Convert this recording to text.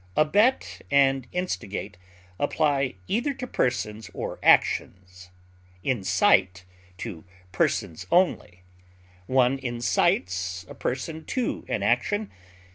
Abet and instigate apply either to persons or actions, incite to persons only; one incites a person to an action.